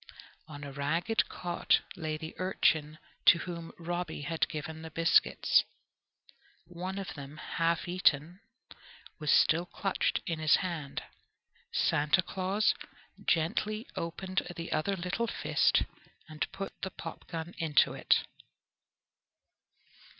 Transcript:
On a ragged cot lay the urchin to whom Robby had given the biscuits. One of them, half eaten, was still clutched in his hand. Santa Claus gently opened the other little fist and put the popgun into it.